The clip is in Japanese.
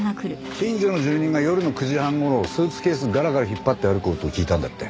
近所の住民が夜の９時半頃スーツケースガラガラ引っ張って歩く音を聞いたんだって。